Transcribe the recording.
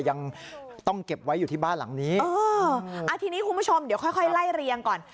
ยังต้องเก็บไว้อยู่ที่บ้านหลังนี้เอออ่าทีนี้คุณผู้ชมเดี๋ยวค่อยค่อยไล่เรียงก่อน